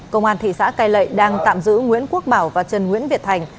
công an thị xã cây lậy đang tạm giữ nguyễn quốc bảo và trần nguyễn việt thành